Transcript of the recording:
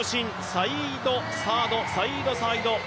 サイードサードサイードサード